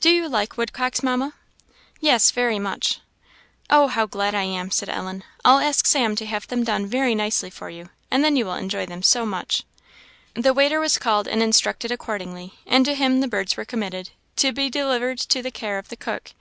"Do you like woodcocks, Mamma?" "Yes, very much." "Oh, how glad I am!" said Ellen. "I'll ask Sam to have them done very nicely for you, and then you will enjoy them so much." The waiter was called, and instructed accordingly, and to him the birds were committed, to be delivered to the care of the cook.